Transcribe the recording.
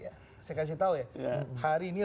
saya kasih tau ya hari ini